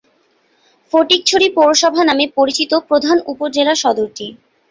ফটিকছড়ি পৌরসভা নামে পরিচিত প্রধান উপ-জেলাসদরটি।